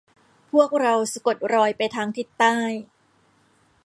พวกเราสะกดรอยไปทางทิศใต้